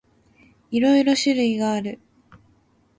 いろいろ種類がある。